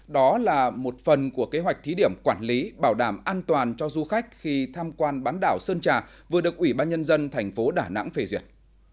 đó là một phần của kế hoạch thí điểm quản lý bảo đảm an toàn cho du khách khi tham quan bán đảo sơn trà vừa được ủy ban nhân dân thành phố đà nẵng phê duyệt